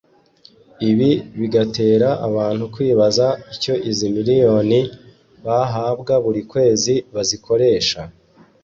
ibi bigatera abantu kwibaza icyo izi miliyoni bahabwa buri kwezi bazikoresha